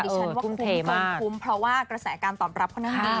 ผมคุ้มเพลงเพราะกระแสนคำตอบรับทั้งที